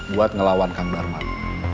buat ngelawankan barman